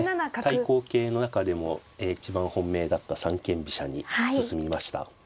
対抗型の中でも一番本命だった三間飛車に進みました。